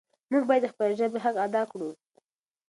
موږ باید د خپلې ژبې حق ادا کړو.